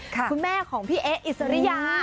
คุณแม่ของพี่เอ๊อิสริยา